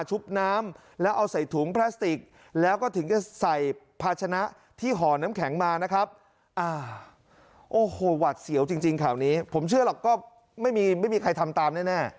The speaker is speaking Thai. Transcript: ชุบน้ำแล้วเอาใส่ถุงพลาสติกแล้วก็ถึงจะใส่พาชนะที่หองน้ำแข็งมานะครับ